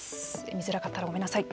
見づらかったらごめんなさい。